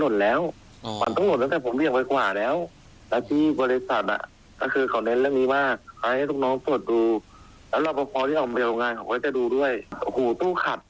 แต่ภายในวันนี้ยังไม่ทราบผลนะครับ